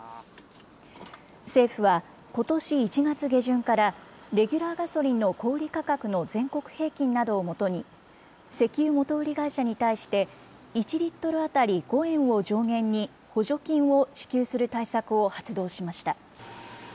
政府は、ことし１月下旬からレギュラーガソリンの小売り価格の全国平均などをもとに、石油元売り会社に対して、１リットル当たり５円を上限に、補助金を支給する対策を発動しました。